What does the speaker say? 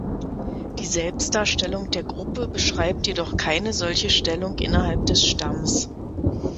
Die Selbstdarstellung der Gruppe beschreibt jedoch keine solche Stellung innerhalb des Stamms.